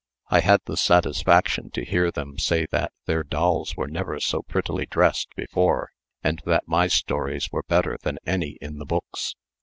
I had the satisfaction to hear them say that their dolls were never so prettily dressed before, and that my stories were better than any in the books.